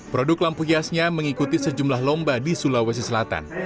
produk lampu hiasnya mengikuti sejumlah lomba di sulawesi selatan